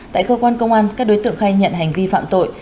tại cơ quan công an các đối tượng khai nhận hành vi phạm tội